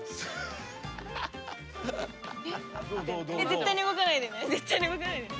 絶対に動かないでね。